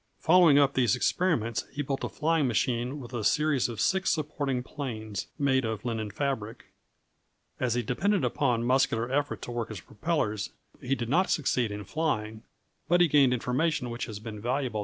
Following up these experiments, he built a flying machine with a series of six supporting planes made of linen fabric. As he depended upon muscular effort to work his propellers, he did not succeed in flying, but he gained information which has been valuable to later inventors.